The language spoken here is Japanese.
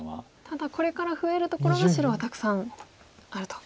ただこれから増えるところは白はたくさんあると。